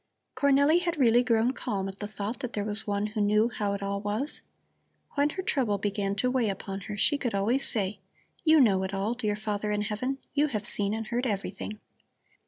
Cornelli had really grown calm at the thought that there was One who knew how it all was. When her trouble began to weigh upon her, she could always say: "You know it all, dear Father in Heaven, You have seen and heard everything."